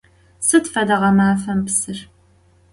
Sıd feda ğemafem psır?